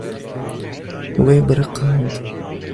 Wê biriqand.